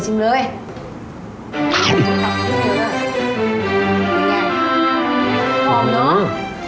นี่ไงหอมเนอะ